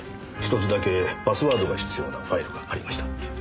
１つだけパスワードが必要なファイルがありました。